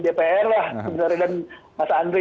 dpr lah dan mas andre